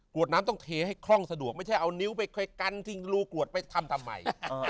วดน้ำต้องเทให้คล่องสะดวกไม่ใช่เอานิ้วไปค่อยกันทิ้งรูกรวดไปทำทำไม